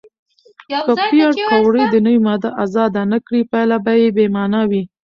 که پېیر کوري د نوې ماده اندازه نه کړي، پایله به بې معنا وي.